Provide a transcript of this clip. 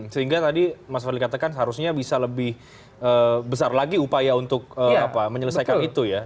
sehingga tadi mas fadli katakan seharusnya bisa lebih besar lagi upaya untuk menyelesaikan itu ya